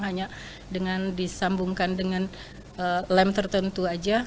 hanya dengan disambungkan dengan lem tertentu saja